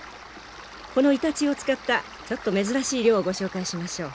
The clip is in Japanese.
このイタチを使ったちょっと珍しい漁をご紹介しましょう。